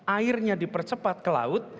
airnya dipercepat ke laut